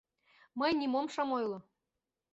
— Мый нимом шым ойло.